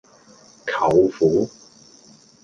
舅父